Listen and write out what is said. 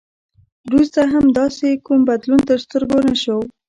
وروسته هم داسې کوم بدلون تر سترګو نه شو.